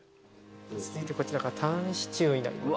続いてこちらがタンシチューになります。